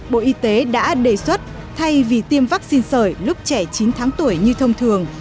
bộ y tế đã đề xuất thay vì tiêm vaccine sởi lúc trẻ chín tháng tuổi như thông thường